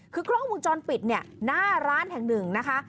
คือกล้องมุมจรปิดหน้าร้านแห่งหนึ่งนะคะ